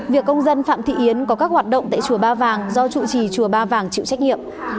việc công dân phạm thị yến có các hoạt động tại chùa ba vàng do chủ trì chùa ba vàng chịu trách nhiệm